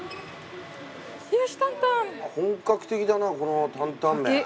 本格的だなこの担々麺。